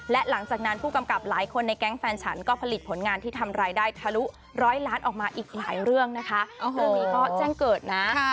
และหลังจากนั้นผู้กำกับหลายคนในแก๊งแฟนฉันก็ผลิตผลงานที่ทำรายได้ทะลุ๑๐๐ล้านออกมาอีกหลายเรื่องนะคะ